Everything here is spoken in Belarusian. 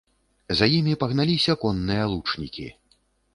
За імі пагналіся конныя лучнікі.